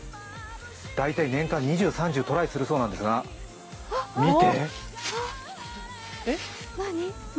大体、年間２０、３０、トライするそうなんですが、見て。